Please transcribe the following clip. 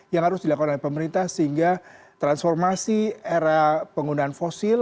yang harus dilakukan oleh pemerintah sehingga transformasi era penggunaan fosil